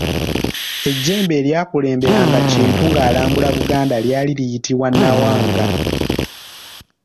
Ejjembe eryakulemberanga Kintu ng'alambula Obuganda lyali liyitibwa Nawanga.